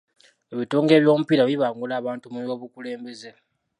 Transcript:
Ebitongole by'omupiira bibangula abantu mu by'obukulembeze.